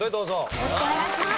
よろしくお願いします！